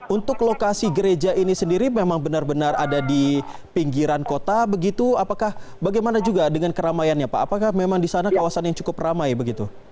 untuk lokasi gereja ini sendiri memang benar benar ada di pinggiran kota begitu apakah bagaimana juga dengan keramaiannya pak apakah memang di sana kawasan yang cukup ramai begitu